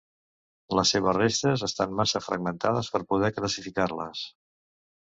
Les seves restes estan massa fragmentades per poder classificar-les.